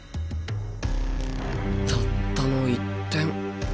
たったの１点。